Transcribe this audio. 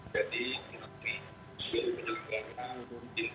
jadi pinjol penjualan ke warga pinjol teg dan anggota anggota pinjol